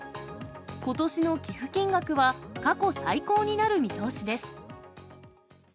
ことしの寄付金額は過去最高になる見通しです。